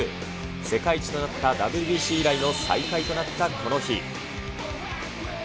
世界一となったＷＢＣ以来の再会となったこの日。